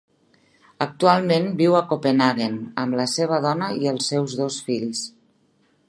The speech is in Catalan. Actualment viu a Copenhaguen amb la seva dona i els seus dos fills.